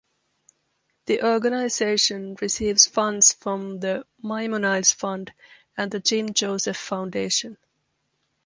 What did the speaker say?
The organization receives funds from the Maimonides Fund and the Jim Joseph Foundation.